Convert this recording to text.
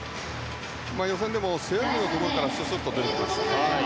予選でも背泳ぎのところからススッと出てきましたからね。